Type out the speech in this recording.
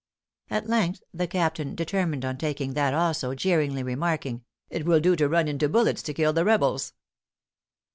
At length the captain determined on taking that also, jeeringly remarking, "it will do to run into bullets to kill the rebels."